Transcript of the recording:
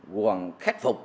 quần khắc phục